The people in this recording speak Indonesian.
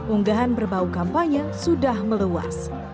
unggahan berbau kampanye sudah meluas